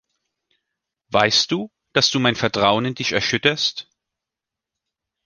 Weißt du, dass du mein Vertrauen in dich erschütterst?